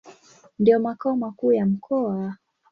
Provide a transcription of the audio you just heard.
Ndio makao makuu ya mkoa.